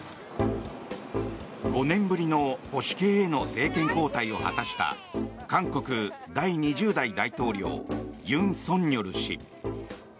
５年ぶりの保守系への政権交代を果たした韓国第２０代大統領尹錫悦氏。